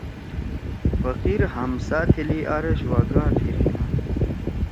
فقیر ہمسا تھیلی عرش وا گا پھیرنگا